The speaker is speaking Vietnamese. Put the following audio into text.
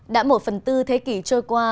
đã một phần tư thế kỷ trôi qua